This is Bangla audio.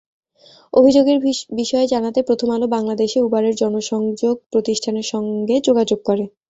অভিযোগের বিষয়ে জানাতে প্রথম আলো বাংলাদেশে উবারের জনসংযোগ প্রতিষ্ঠানের সঙ্গ যোগাযোগ করে।